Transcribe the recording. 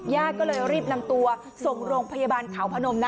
ญาติก็เลยรีบนำตัวส่งโรงพยาบาลเขาพนมนะ